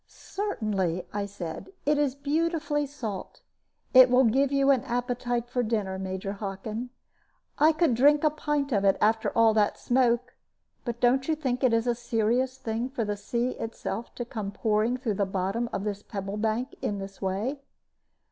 "Certainly," I said, "it is beautifully salt. It will give you an appetite for dinner, Major Hockin. I could drink a pint of it, after all that smoke. But don't you think it is a serious thing for the sea itself to come pouring through the bottom of this pebble bank in this way?"